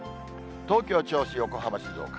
東京、銚子、横浜、静岡。